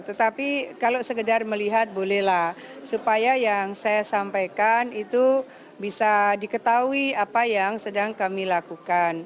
tetapi kalau sekedar melihat bolehlah supaya yang saya sampaikan itu bisa diketahui apa yang sedang kami lakukan